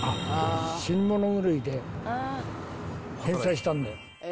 死に物狂いで、返済したんだよ。